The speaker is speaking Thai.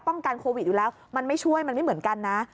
กันโควิดอยู่แล้วมันไม่ช่วยมันไม่เหมือนกันนะ